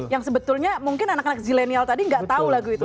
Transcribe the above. yang sebetulnya mungkin anak anak zilenial tadi nggak tahu lagu itu